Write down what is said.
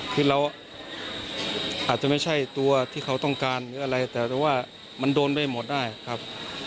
คือเราอาจจะไม่ใช่ตัวที่เขาต้องการหรืออะไรแต่ว่ามันโดนไปหมดได้ครับ